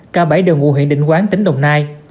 cả bảy đều ngụ huyện định quán tỉnh đồng nai